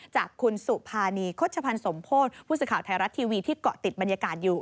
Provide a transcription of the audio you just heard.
จากคุณสุภานีโฆษภัณฑ์สมโพธิผู้สื่อข่าวไทยรัฐทีวีที่เกาะติดบรรยากาศอยู่